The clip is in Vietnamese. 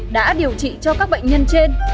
đã điều trị cho các bệnh nhân trên